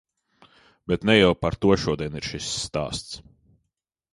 Bet ne jau par to šodien ir šis stāsts.